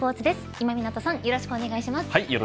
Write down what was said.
今湊さんよろしくお願いします。